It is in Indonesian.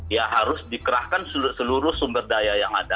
ya harus dikerahkan seluruh sumber daya yang ada